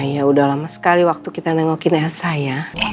iya udah lama sekali waktu kita nengokin elsa ya